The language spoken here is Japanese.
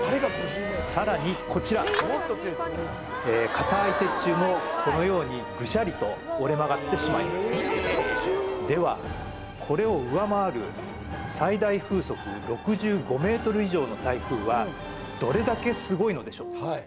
さらにこちら硬い鉄柱もこのようにグシャリと折れ曲がってしまいますではこれを上回る最大風速６５ｍ／ｓ以上の台風はどれだけすごいのでしょう？